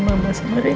lu udah ngapain